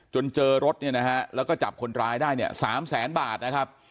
เจอรถเนี่ยนะฮะแล้วก็จับคนร้ายได้เนี่ย๓แสนบาทนะครับ